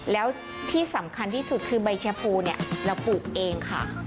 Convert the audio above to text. แล้วที่สำคัญที่สุดคือใบชะพูเนี่ยเราปลูกเองค่ะ